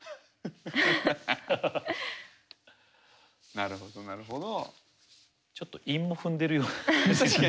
なるほどなるほど。